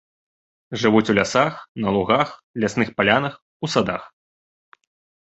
Жывуць у лясах, на лугах, лясных палянах, у садах.